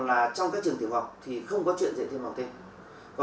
là trong các trường thiểu học thì không có chuyện dạy thiểu học thêm